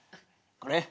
これ？